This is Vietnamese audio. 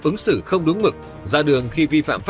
ứng xử không đúng mực ra đường khi vi phạm